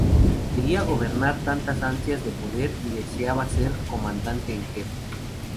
Quería gobernar, tenía ansias de poder y deseaba ser comandante en jefe.